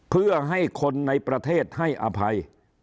เพื่อให้คนในประเทศให้อภัย